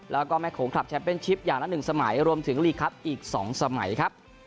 แล้วก็แม่โขงคลับแชมเป็นชิปอย่างละ๑สมัยรวมถึงลีกครับอีก๒สมัยครับ